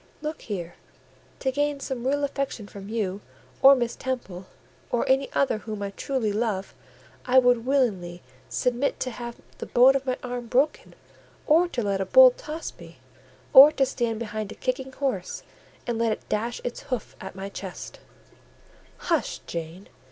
Look here; to gain some real affection from you, or Miss Temple, or any other whom I truly love, I would willingly submit to have the bone of my arm broken, or to let a bull toss me, or to stand behind a kicking horse, and let it dash its hoof at my chest—" "Hush, Jane!